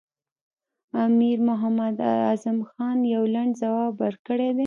امیر محمد اعظم خان یو لنډ ځواب ورکړی دی.